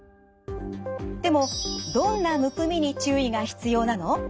でもどんなむくみに注意が必要なの？